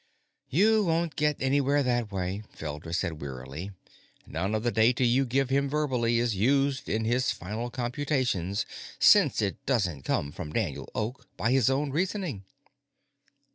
"You won't get anywhere that way," Felder said wearily. "None of the data you give him verbally is used in his final computations, since it doesn't come from Daniel Oak, by his own reasoning."